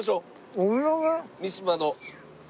三島の。